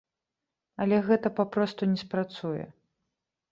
Але гэта папросту не спрацуе.